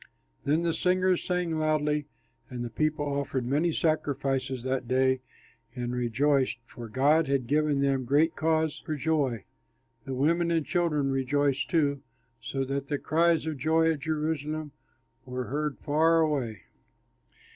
Then the singers sang loudly, and the people offered many sacrifices that day and rejoiced, for God had given them great cause for joy. The women and children rejoiced, too, so that the cries of joy at Jerusalem were heard far away.